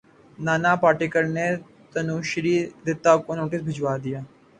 نانا پاٹیکر نے تنوشری دتہ کو نوٹس بھجوا دیا